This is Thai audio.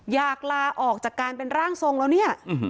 ลาออกจากการเป็นร่างทรงแล้วเนี่ย